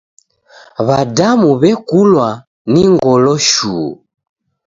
W'adamu w'ekulwa no ngolo shuu!